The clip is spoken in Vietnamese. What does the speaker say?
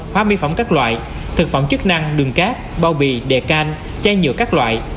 hóa mi phẩm các loại thực phẩm chức năng đường cát bao bì đề can chai nhựa các loại